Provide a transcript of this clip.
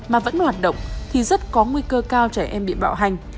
mà vẫn hoạt động thì rất có nguy cơ cao trẻ em bị bạo hành